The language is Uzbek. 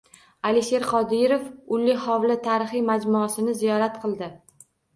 Alisher Qodirov “Ulli hovli” tarixiy majmuasini ziyorat qildi